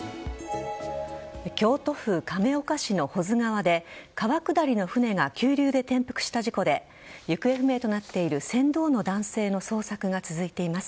京都府亀岡市の保津川で川下りの船が急流で転覆した事故で行方不明となっている船頭の男性の捜索が続いています。